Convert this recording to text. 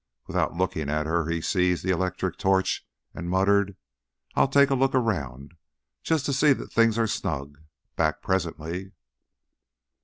Without looking at her he seized the electric torch and muttered: "I'll take a look around, just to see that things are snug. Back presently."